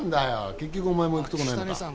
結局お前も行くとこないのか。